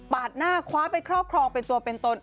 หน้าคว้าไปครอบครองเป็นตัวเป็นตน